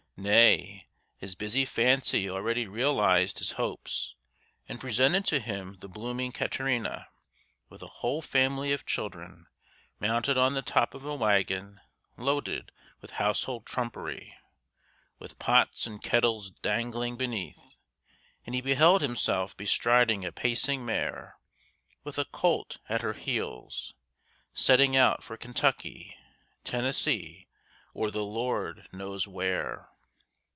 Nay, his busy fancy already realized his hopes, and presented to him the blooming Katrina, with a whole family of children, mounted on the top of a wagon loaded with household trumpery, with pots and kettles dangling beneath, and he beheld himself bestriding a pacing mare, with a colt at her heels, setting out for Kentucky, Tennessee, or the Lord knows where.